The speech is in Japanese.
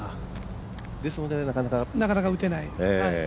ですので、なかなか、打てない。